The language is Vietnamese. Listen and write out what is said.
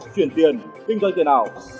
chuyển tiền kinh doanh tiền ảo